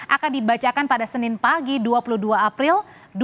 akan dibacakan pada senin pagi dua puluh dua april dua ribu dua puluh